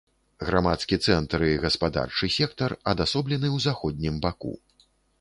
Грамадскі цэнтр і гаспадарчы сектар адасоблены ў заходнім баку.